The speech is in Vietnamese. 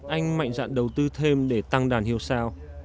anh mạnh dạn đầu tư thêm để tăng đàn hiệu sao